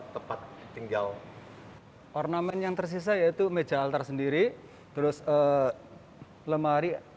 tepat tinggal ornamen yang tersisa yaitu meja altar sendiri terus lemari